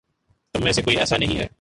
تم میں سے کوئی ایسا نہیں ہے